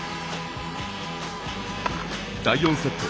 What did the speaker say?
第４セット。